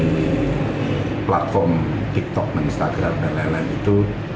di platform tiktok dan instagram dan lain lain itu